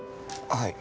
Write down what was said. はい。